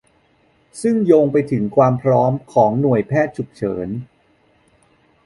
ซึ่งโยงกลับไปถึงความพร้อมของหน่วยแพทย์ฉุกเฉิน